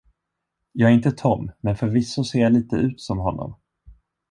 Jag är inte Tom, men förvisso ser jag lite ut som honom.